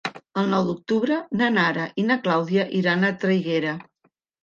El nou d'octubre na Nara i na Clàudia iran a Traiguera.